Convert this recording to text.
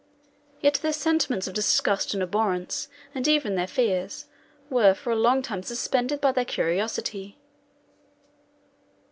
Yet their sentiments of disgust and abhorrence, and even their fears, were for a time suspended by their curiosity.